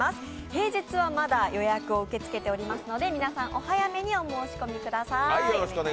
平日はまだ予約を受け付けておりますので、皆さん、お早めにお申し込みください。